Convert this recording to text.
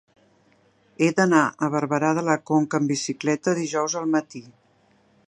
He d'anar a Barberà de la Conca amb bicicleta dijous al matí.